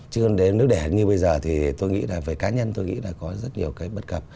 chưa đến nước đẻ như bây giờ thì tôi nghĩ là về cá nhân tôi nghĩ là có rất nhiều cái bất cập